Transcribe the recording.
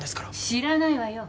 知らないわよ。